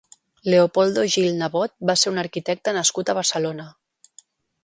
Leopoldo Gil Nebot va ser un arquitecte nascut a Barcelona.